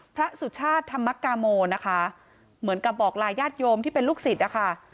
สุชาติธรรมกาโมนะคะเหมือนกับบอกลาญาติโยมที่เป็นลูกศิษย์นะคะ